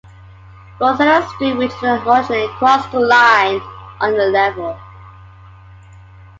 Rosetta Street, which originally crossed the line on the level.